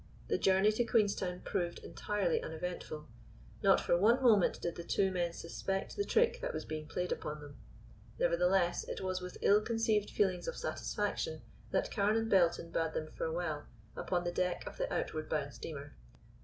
The journey to Queenstown proved entirely uneventful; not for one moment did the two men suspect the trick that was being played upon them; nevertheless, it was with ill concealed feelings of satisfaction that Carne and Belton bade them farewell upon the deck of the outward bound steamer.